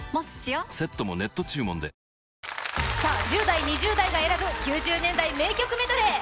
１０代、２０代が選ぶ９０年代名曲メドレー！